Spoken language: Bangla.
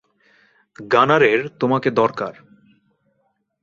গানারের তোমাকে দরকার।